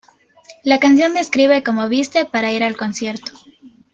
La canción describe cómo viste para ir al concierto.